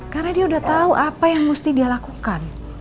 karena dia udah tahu apa yang mesti dia lakukan